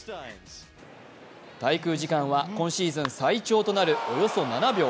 滞空時間は今シーズン最長となるおよそ７秒。